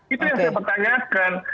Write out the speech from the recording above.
itu yang saya pertanyakan